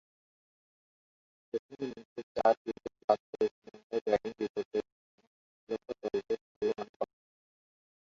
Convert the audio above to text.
প্রথম ইনিংসে চার উইকেট লাভ করে শ্রীলঙ্কার ব্যাটিং বিপর্যয় ঘটান ও শ্রীলঙ্কা দলকে ফলো-অনে পাঠান।